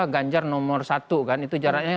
ganjar nomor satu kan itu jaraknya